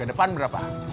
ke depan berapa